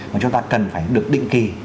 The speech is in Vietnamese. mà chúng ta cần phải được định kỳ